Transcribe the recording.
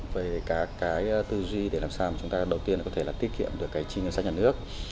về cả cái tư duy để làm sao chúng ta đầu tiên có thể tiết kiệm được cái trinh sách nhà nước